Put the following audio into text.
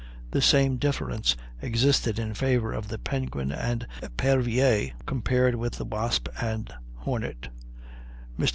The same difference existed in favor of the Penguin and Epervier compared with the Wasp and Hornet. Mr.